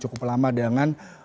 cukup lama dengan